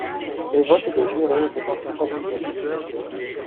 Les votes des jurés étaient ensuite additionnés.